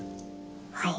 はい。